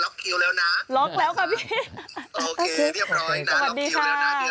โอเคเรียบร้อยนะล็อกคิวแล้วนะเดือนหน้า